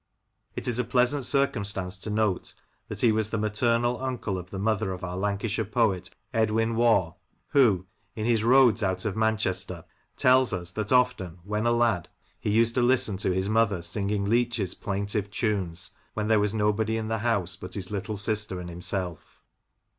It is a pleasant circumstance to note that he was the maternal uncle of the mother of our Lancashire poet, Edwin Waugh, who, in his " Roads Out of Manchester," tells us that often, when a lad, he used to listen to his mother singing Leach's plaintive tunes when there was nobody in the house but his litde sister and himself.